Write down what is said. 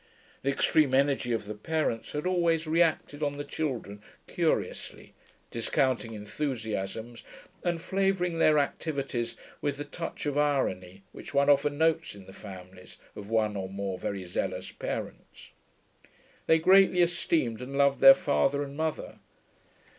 The extreme energy of the parents had always reacted on the children curiously, discounting enthusiasms, and flavouring their activities with the touch of irony which one often notes in the families of one or more very zealous parents. They greatly esteemed and loved their father and mother.